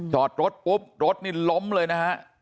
จอดรถปุ๊บรถนี่ล้มเลยนะฮะ